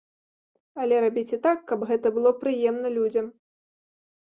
Але рабіце так, каб гэта было прыемна людзям.